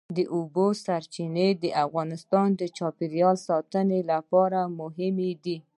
د اوبو سرچینې د افغانستان د چاپیریال ساتنې لپاره مهم دي.